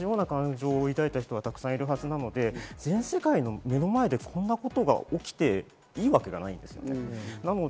私と同じような感情を抱いた人はたくさんいるはずなので、全世界の目の前でこんなことが起きていいわけがないんです。